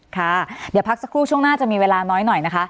ค่ะเดี๋ยวพักสักครู่ช่วงหน้าจะมีเวลาน้อยหน่อยนะคะ